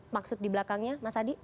maksud di belakangnya mas adi